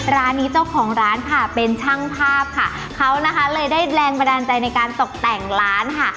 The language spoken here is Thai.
ร้านนี้เจ้าของร้านค่ะเป็นช่างภาพค่ะเขานะคะเลยได้แรงบันดาลใจในการตกแต่งร้านค่ะ